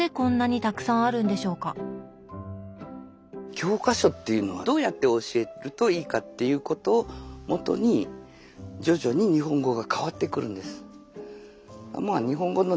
教科書っていうのはどうやって教えるといいかっていうことをもとに徐々に日本語が変わってくるんです。